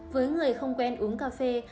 với người không quen uống cà phê